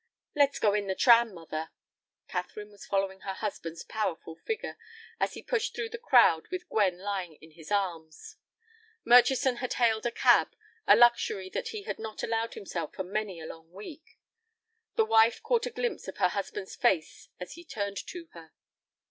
"Let's go in the tram, mother." Catherine was following her husband's powerful figure, as he pushed through the crowd with Gwen lying in his arms. Murchison had hailed a cab, a luxury that he had not allowed himself for many a long week. The wife caught a glimpse of her husband's face as he turned to her.